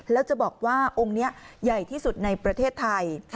แล้วจะบอกว่าองค์นี้ใหญ่ที่สุดในประเทศไทย